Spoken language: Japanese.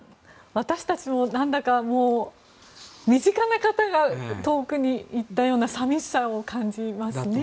私たちも何だか、身近な方が遠くに行ったような寂しさを感じますね。